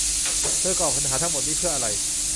เธอก่อปัญหาทั้งหมดนี้เพื่ออะไร